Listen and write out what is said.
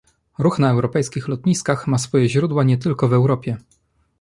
Ruch na europejskich lotniskach ma swoje źródła nie tylko w Europie